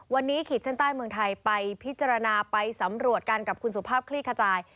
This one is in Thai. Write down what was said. วันนี้ขีดเส้นใต้เมืองไทยไปพิจารณาไปสำรวจกันกับคุณสุภาพคลี่ขจาย